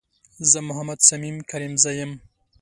زه محمد صميم کريمزی یم